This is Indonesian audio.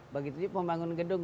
begitu juga pembangun gedung